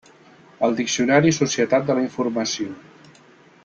El Diccionari Societat de la informació.